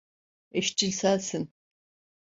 Eşcinselsin.